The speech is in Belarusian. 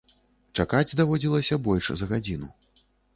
Чакаць даводзілася больш за гадзіну.